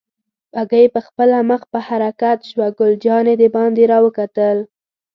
بګۍ پخپله مخ په حرکت شوه، ګل جانې دباندې را وکتل.